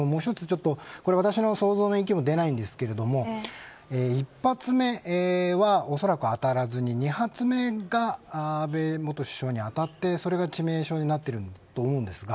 私の想像の域を出ないのですが１発目はおそらく当たらずに２発目が安倍元首相に当たってそれが致命傷になっていると思うんです。